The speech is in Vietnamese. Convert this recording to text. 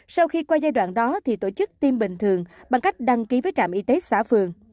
sau khi qua giai đoạn đó thì tổ chức tiêm bình thường bằng cách đăng ký với trạm y tế xã phường